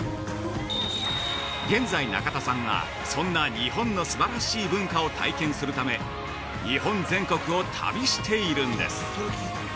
現在中田さんは、そんな日本の素晴らしい文化を体験するため日本全国を旅しているんです。